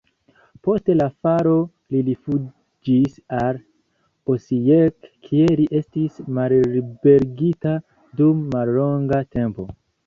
Post la falo li rifuĝis al Osijek, kie li estis malliberigita dum mallonga tempo.